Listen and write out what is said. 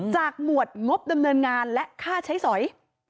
หมวดงบดำเนินงานและค่าใช้สอย